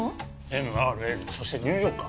ＭＲＬそしてニューヨーカー。